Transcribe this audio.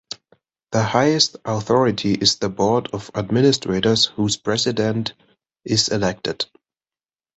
The highest authority is the board of administrators whose president is elected.